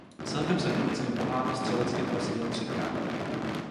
Celkem se v německém poháru střelecky prosadil třikrát.